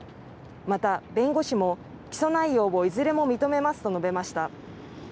また、弁護士も起訴内容をいずれも認めますと述べました。